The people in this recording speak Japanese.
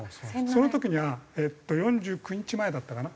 その時にはえっと４９日前だったかな。